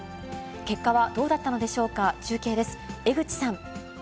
結果はどうだったのでしょうか。